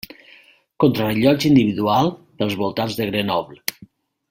Contrarellotge individual pels voltants de Grenoble.